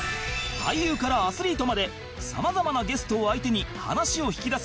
俳優からアスリートまで様々なゲストを相手に話を引き出す